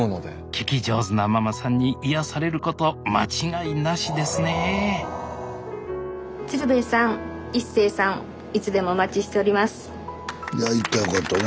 聞き上手なママさんに癒やされること間違いなしですねスタジオ行ったらよかったね